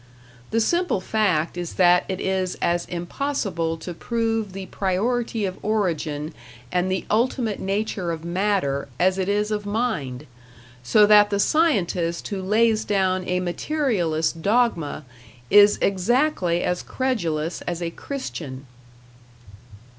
The simple fact is that it is as impossible to prove the priority of origin and the ultimate nature of matter as it is of mind; so that the scientist who lays down a materialist dogma is exactly as credulous as a Christian.